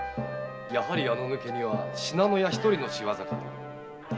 やはりあの抜け荷は信濃屋一人の仕業かと。